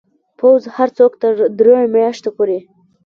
پوځ هر څوک تر دریو میاشتو پورې